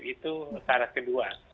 itu saran kedua